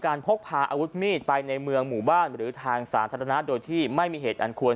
พกพาอาวุธมีดไปในเมืองหมู่บ้านหรือทางสาธารณะโดยที่ไม่มีเหตุอันควร